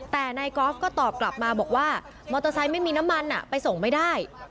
แต่นายกอล์ฟก็ตอบกลับมาบอกว่ามอเตอร์ไซค์ไม่มีน้ำมันไปส่งไม่ได้